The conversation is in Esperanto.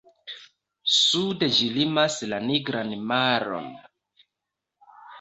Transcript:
Sude ĝi limas la Nigran maron.